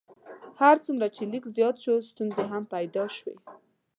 هر څومره چې لیک زیات شو ستونزې هم پیدا شوې.